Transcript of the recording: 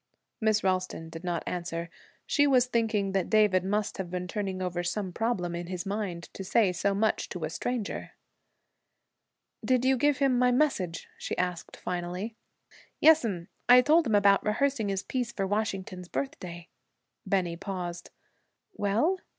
Miss Ralston did not answer. She was thinking that David must have been turning over some problem in his mind, to say so much to a stranger. 'Did you give him my message?' she asked finally. 'Yes'm! I told him about rehearsing his piece for Washington's Birthday.' Bennie paused. 'Well?'